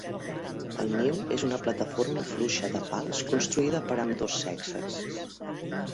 El niu és una plataforma fluixa de pals construïda per ambdós sexes.